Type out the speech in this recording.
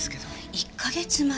１か月前。